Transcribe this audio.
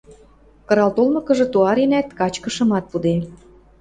Кырал толмыкыжы туаренӓт, качкышымат пуде.